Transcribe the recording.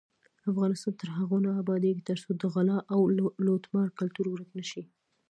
افغانستان تر هغو نه ابادیږي، ترڅو د غلا او لوټمار کلتور ورک نشي.